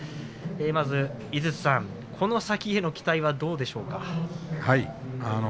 まず、井筒さんこの先への期待はどうですか？